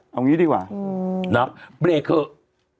เพราะมันถึงเปลี่ยน